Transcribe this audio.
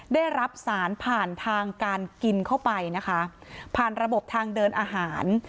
ได้รับสารผ่านทางการกินเข้าไปนะคะผ่านระบบทางเดินอาหาร